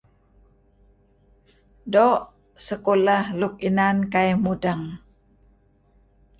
Doo' sekolah luk inan kai mudeng